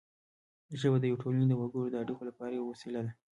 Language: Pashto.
ژبه د یوې ټولنې د وګړو د اړیکو لپاره یوه وسیله ده